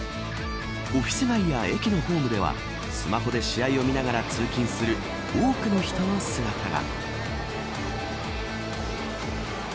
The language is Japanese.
オフィス街や駅のホームではスマホで試合を見ながら通勤する多くの人の姿が。